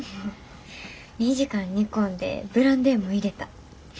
２時間煮込んでブランデーも入れた。